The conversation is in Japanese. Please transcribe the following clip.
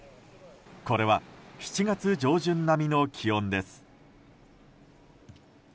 これは７月上旬並みの気温です。